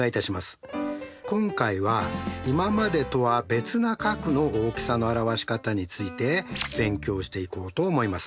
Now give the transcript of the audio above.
今回は今までとは別な角の大きさの表し方について勉強していこうと思います。